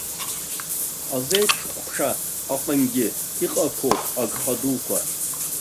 Азеиԥш ҟәша аҟныгьы иҟақәоуп агха дуқәа.